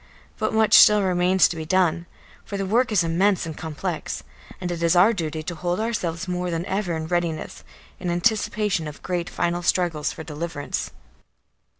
But much still remains to be done, for the work is immense and complex, and it is our duty to hold ourselves more than ever in readiness, in anticipation of great final struggles for deliverance.